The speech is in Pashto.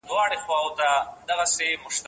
هیوادونه د قاچاق د له منځه وړلو لپاره سره یو دي.